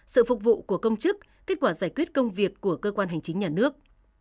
sự phục vụ của công chức kết quả giải quyết công việc của cơ quan hành chính nhà nước